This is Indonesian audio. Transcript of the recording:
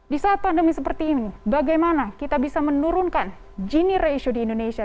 di saat pandemi seperti ini bagaimana kita bisa menurunkan gini ratio di indonesia